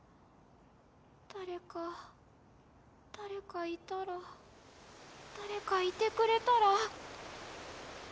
誰か誰かいたら誰かいてくれたら。